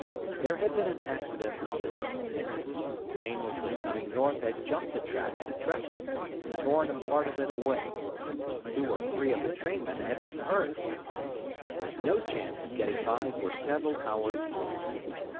There had been an accident on the road. The train which was coming north had jumped the track at a trestle and torn a part of it away. Two or three of the trainmen had been hurt. There was no chance of getting by for several hours more.